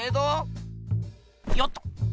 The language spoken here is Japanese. よっと。